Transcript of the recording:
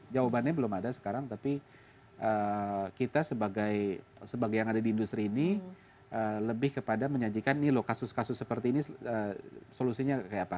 jawabannya belum ada sekarang tapi kita sebagai yang ada di industri ini lebih kepada menyajikan nih loh kasus kasus seperti ini solusinya kayak apa